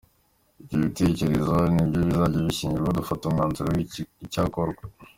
Ibyo bitekerezo nibyo bizajya bishingirwaho dufata umwanzuro w’icyakorwa.